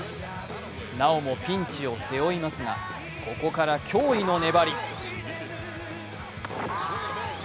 なおもピンチを背負いますがここから驚異の粘り。